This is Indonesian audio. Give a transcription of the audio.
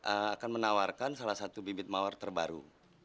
akan menawarkan salah satu bibit mawar terbaru